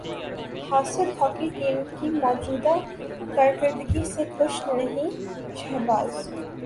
حاسد hockey team کی موجودہ کارکردگی سے خوش نہیں شہباز